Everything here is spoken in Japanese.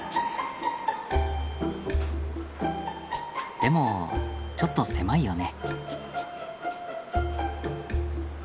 でもちょっと狭いよね。